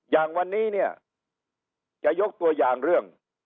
อย่างวันนี้เนี่ยจะยกตัวอย่างเรื่อง